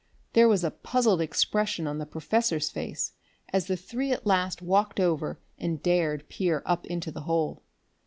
There was a puzzled expression on the professor's face as the three at last walked over and dared peer up into the hole.